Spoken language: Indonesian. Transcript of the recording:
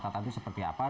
tapi seperti apa